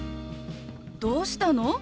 どうしたの？